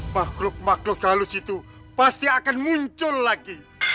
makhluk makhluk galus itu pasti akan muncul lagi